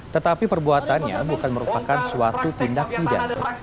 tetapi perbuatannya bukan merupakan suatu tindak pidana